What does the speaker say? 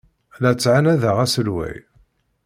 La ttɛanadeɣ aselway.